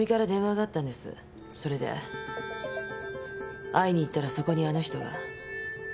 それで会いに行ったらそこにあの人が。